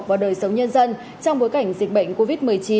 và đời sống nhân dân trong bối cảnh dịch bệnh covid một mươi chín